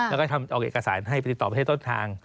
แล้วก็ทำเอาเอกสารให้ไปติดต่อประเทศต้นทาง